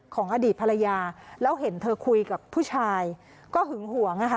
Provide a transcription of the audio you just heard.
ของอดีตภรรยาแล้วเห็นเธอคุยกับผู้ชายก็หึงหวงนะคะ